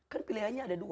kan pilihannya ada dua